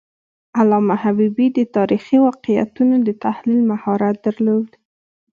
علامه حبیبي د تاریخي واقعیتونو د تحلیل مهارت درلود.